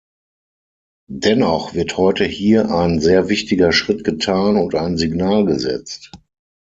Dennoch wird heute hier ein sehr wichtiger Schritt getan und ein Signal gesetzt.